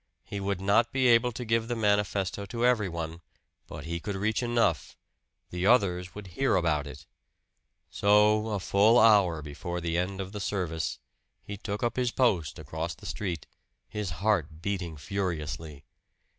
He would not be able to give the manifesto to everyone, but he could reach enough the others would hear about it! So, a full hour before the end of the service, he took up his post across the street, his heart beating furiously.